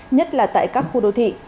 nhất là tại các khu đô thị